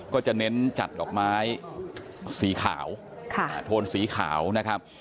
ก็จะเน้นจัดดอกไม้สีขาวโทนสีขาวนะครับ